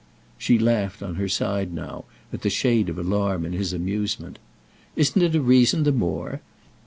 She laughed on her side now at the shade of alarm in his amusement. "Isn't it a reason the more?